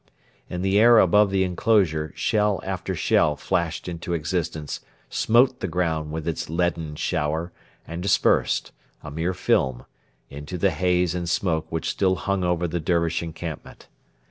In the air above the enclosure shell after shell flashed into existence, smote the ground with its leaden shower, and dispersed a mere film into the haze and smoke which still hung over the Dervish encampment.